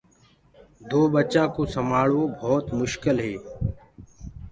دو ٻچآنٚ ڪوُ سمآݪوو ڀوت مسڪِل هي۔